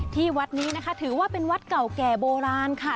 ที่วัดนี้นะคะถือว่าเป็นวัดเก่าแก่โบราณค่ะ